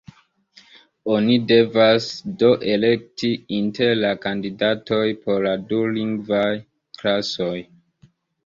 Oni devas, do, elekti inter la kandidatoj por la dulingvaj klasoj.